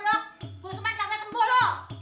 gue cuma jaga sembuh lu